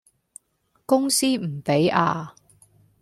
公司唔畀呀